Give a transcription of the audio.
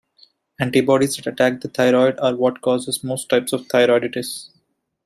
Antibodies that attack the thyroid are what causes most types of thyroiditis.